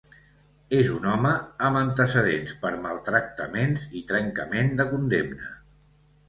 És un home amb antecedents per maltractaments i trencament de condemna.